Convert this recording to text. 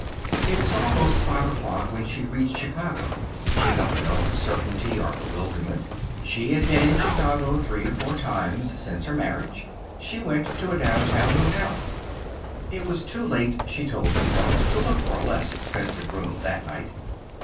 It was almost five o'clock when she reached Chicago. She felt no uncertainty or bewilderment. She had been in Chicago three or four times since her marriage. She went to a downtown hotel. It was too late, she told herself, to look for a less expensive room that night.